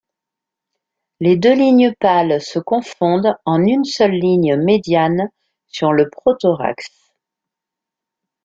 Les deux lignes pâles se confondent en une seule ligne médiane sur le prothorax.